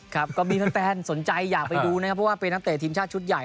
ครับก็มีแฟนสนใจอยากไปดูนะครับเพราะว่าเป็นนักเตะทีมชาติชุดใหญ่